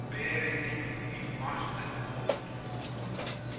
Buried deep in must and mould.